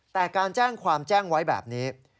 แต่การแจ้งความแจ้งไว้แบบนี้